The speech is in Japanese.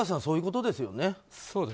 そういうことですよね？